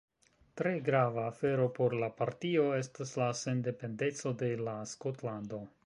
Tre grava afero por la partio estas la sendependeco de la Skotlando.